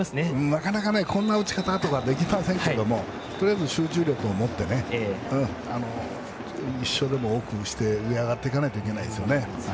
なかなかこんな打ち方はできませんけどとにかく集中力を持って一勝でも多くして上に上がっていかないといけないです。